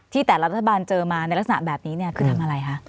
แต่ละรัฐบาลเจอมาในลักษณะแบบนี้เนี่ยคือทำอะไรคะ